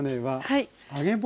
はい。